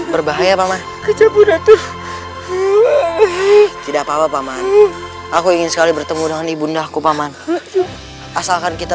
berbahaya paman tidak papa aku ingin sekali bertemu dengan ibu undahku paman asalkan kita